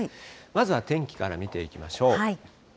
まずは天気から見ていきましょう。